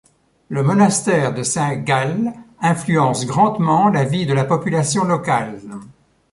Le monastère de Saint-Gall influence grandement la vie de la population locale.